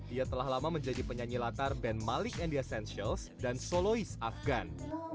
ia telah lama menjadi penyanyi latar band malik and the essentials dan soloist afgan